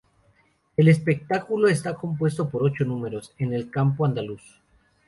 El Espectáculo está compuesto por ocho números: En el campo Andaluz.